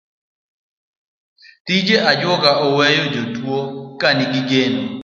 Timbe ajuoga weyo jatuo ka nigi geno.